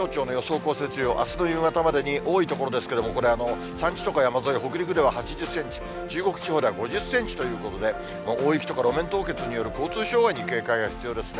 降雪量、あすの夕方までに、多い所ですけれども、これ、山地とか山沿い、北陸では８０センチ、中国地方では５０センチということで、大雪とか、路面凍結による交通障害に警戒が必要ですね。